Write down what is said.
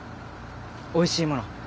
おいしいもの